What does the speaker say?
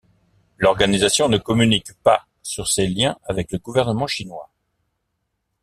L'organisation ne communique pas sur ses liens avec le gouvernement chinois.